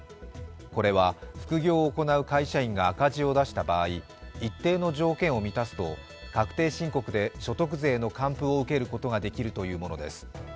これは副業を行う会社員が赤字を出した場合一定の条件を満たすと確定申告で所得税の還付を受けることができるというものです。